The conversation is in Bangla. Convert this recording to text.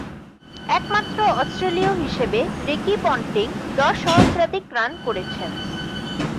একমাত্র অস্ট্রেলীয় হিসেবে রিকি পন্টিং দশ সহস্রাধিক রান করেছেন।